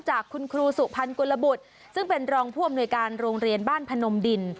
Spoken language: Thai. จากคุณครูสุพรรณกุลบุตรซึ่งเป็นรองผู้อำนวยการโรงเรียนบ้านพนมดิน